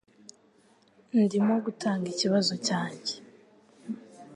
Ndimo gutanga ikibazo cyanjye